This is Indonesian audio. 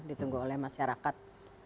ditunggu oleh masyarakat